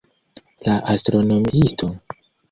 La astronomiisto?